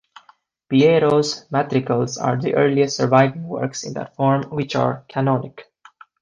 Piero's madrigals are the earliest surviving works in that form which are canonic.